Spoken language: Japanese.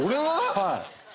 はい。